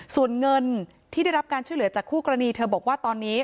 ส่วนเงินที่ได้รับการช่วยเหลือจากคู่กรณีเธอบอกว่าตอนนี้